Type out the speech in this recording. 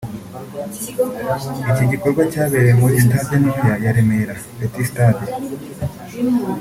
Iki gikorwa cyabereye kuri Stade ntoya ya Remera (Petit Stade)